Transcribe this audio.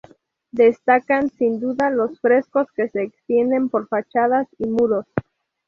Destacan sin duda los frescos que se extienden por fachadas y muros.